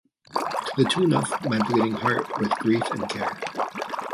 To the tune of, My bleeding heart with griefe and care.